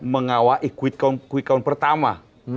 mengawai quick count pertama